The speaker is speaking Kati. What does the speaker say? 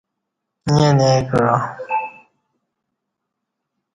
ییں نئی کعہ۔